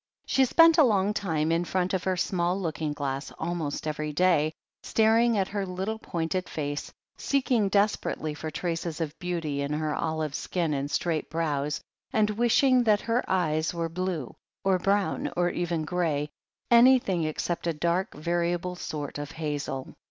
She spent a long time in front of her small looking glass, almost every day, staring at her little pointed face, seeking desperately for traces of beauty in her olive skin and straight brows and wishing that her eyes were blue, or brown, or even grey — ^anything except a dark, variable sort of hazel.